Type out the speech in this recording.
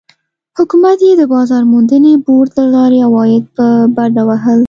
حکومت یې د بازار موندنې بورډ له لارې عواید په بډه وهل.